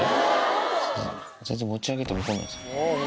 全然持ち上げても怒んないです。